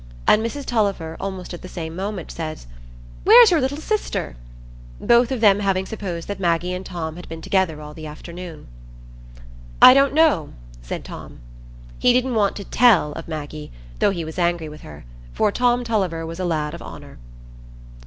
and Mrs Tulliver, almost at the same moment, said, "Where's your little sister?"—both of them having supposed that Maggie and Tom had been together all the afternoon. "I don't know," said Tom. He didn't want to "tell" of Maggie, though he was angry with her; for Tom Tulliver was a lad of honour.